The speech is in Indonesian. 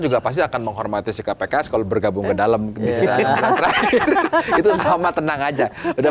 juga pasti akan menghormati sikap pks kalau bergabung ke dalam bisa terakhir itu sama tenang aja udah